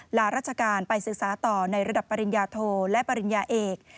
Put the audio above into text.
ลาราชการไปศึกษาต่อในระดับปริญญาโทและปริญญาเอก